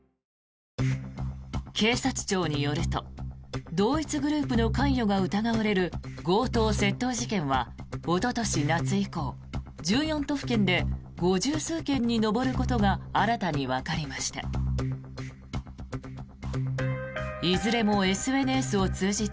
警察庁によると同一グループの関与が疑われる強盗・窃盗事件はおととし夏以降１４都府県で５０数件に上ることが新たにわかりました。